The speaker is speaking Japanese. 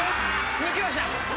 抜けました。